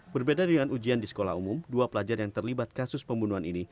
berbeda dengan ujian di sekolah umum dua pelajar yang terlibat kasus pembunuhan ini